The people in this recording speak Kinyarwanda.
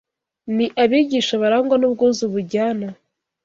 Ni abigisha barangwa n’ubwuzu bujyana